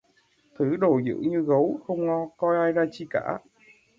Thứ đồ dữ như gấu, không coi ai ra chi cả